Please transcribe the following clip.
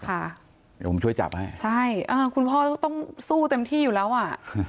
เดี๋ยวผมช่วยจับให้ใช่อ่าคุณพ่อต้องสู้เต็มที่อยู่แล้วอ่ะ